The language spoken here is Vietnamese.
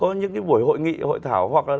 có những cái buổi hội nghị hội thảo